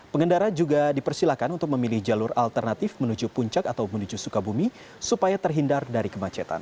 pengendara juga dipersilakan untuk memilih jalur alternatif menuju puncak atau menuju sukabumi supaya terhindar dari kemacetan